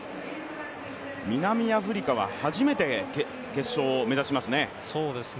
南アフリカは初めて決勝を目指しますね。